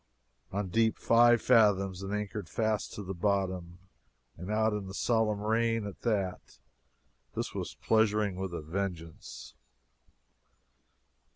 On deep five fathoms, and anchored fast to the bottom. And out in the solemn rain, at that. This was pleasuring with a vengeance.